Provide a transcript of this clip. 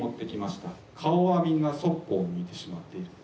顔はみんなそっぽを向いてしまっている。